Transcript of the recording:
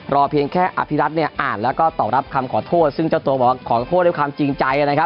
รอเพียงแค่อภิรัฐนั้นอ่านแล้วก็ต้องรับคำขอโทษซึ่งเจ้าตัวบอกว่ากลับโทษด้วยคำจริงใจ